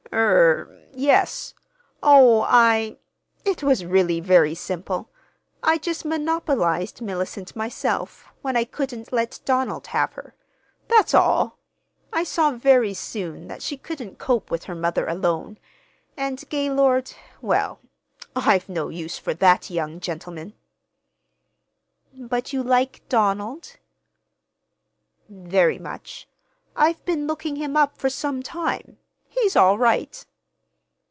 "Er—yes. Oh, I—it was really very simple—I just monopolized Mellicent myself, when I couldn't let Donald have her. That's all. I saw very soon that she couldn't cope with her mother alone. And Gaylord—well, I've no use for that young gentleman." "But you like—Donald?" "Very much. I've been looking him up for some time. He's all right."